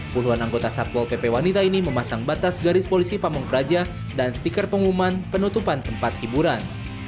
puluhan anggota satpol pp wanita ini memasang batas garis polisi pamung praja dan stiker pengumuman penutupan tempat hiburan